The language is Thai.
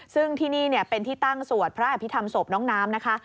ซึ่งที่นี่เป็นที่ตั้งสวดพระอภิษฐรรมศพน้องน้ำนะคะ